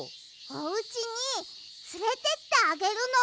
おうちにつれてってあげるの。